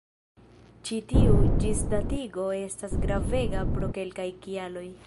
Ĉi tiu ĝisdatigo estas gravega pro kelkaj kialoj.